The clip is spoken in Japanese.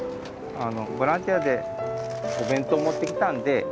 ボランティアでお弁当持ってきたんで。